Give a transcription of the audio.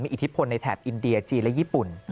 อิทธิพลในแถบอินเดียจีนและญี่ปุ่น